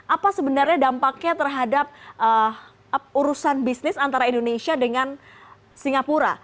apa sebenarnya dampaknya terhadap urusan bisnis antara indonesia dengan singapura